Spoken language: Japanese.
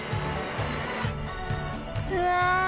うわ！